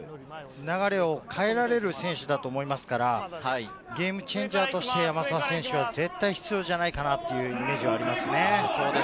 流れを変えられる選手だと思いますから、ゲームチェンジャーとして山沢選手は絶対、必要じゃないかなというイメージがありますね。